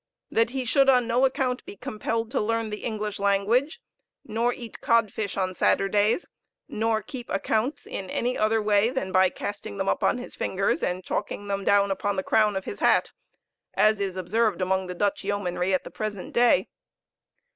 That he should on no account be compelled to learn the English language, nor eat codfish on Saturdays, nor keep accounts in any other way than by casting them up on his fingers, and chalking them down upon the crown of his hat; as is observed among the Dutch yeomanry at the present day.